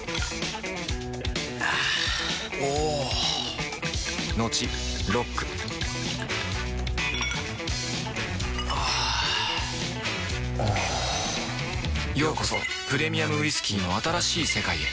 あぁおぉトクトクあぁおぉようこそプレミアムウイスキーの新しい世界へ